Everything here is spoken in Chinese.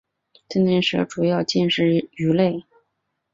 瘰鳞蛇主要进食鱼类。